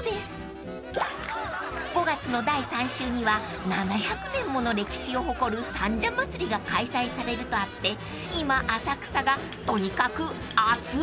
［５月の第３週には７００年もの歴史を誇る三社祭が開催されるとあって今浅草がとにかく熱い！］